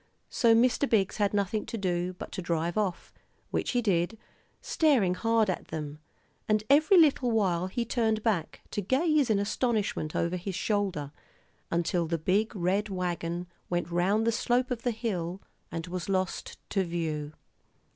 So Mr. Biggs had nothing to do but to drive off, which he did, staring hard at them; and every little while he turned back, to gaze in astonishment over his shoulder, until the big red wagon went round the slope of the hill and was lost to view.